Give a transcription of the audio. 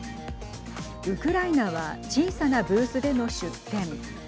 ウクライナは小さなブースでの出店。